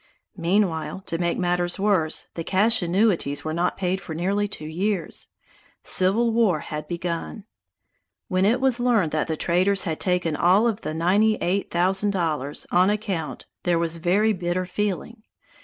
Meanwhile, to make matters worse, the cash annuities were not paid for nearly two years. Civil War had begun. When it was learned that the traders had taken all of the ninety eight thousand dollars "on account", there was very bitter feeling.